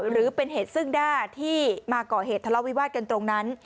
หรือเป็นเหตุซึ่งหน้าที่มาก่อเหตุทะเลาวิวาสกันตรงนั้น